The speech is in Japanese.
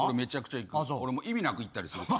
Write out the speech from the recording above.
俺意味なく行ったりするから。